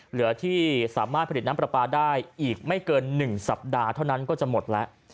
เหลือที่สามารถผลิตน้ำปลาปลาได้อีกไม่เกิน๑สัปดาห์เท่านั้นก็จะหมดแล้ว